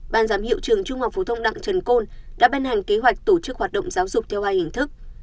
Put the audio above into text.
ban giám hiệu trường trung học phổ thông đặng trần côn đã ban hành kế hoạch tổ chức hoạt động giáo dục theo hai hình thức